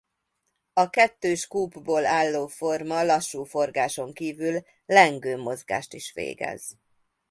A kettős kúpból álló forma lassú forgáson kívül lengő mozgást is végez.